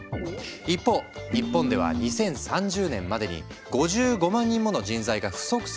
一方日本では２０３０年までに５５万人もの人材が不足するとの予測が。